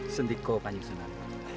sendikko kanyu sunan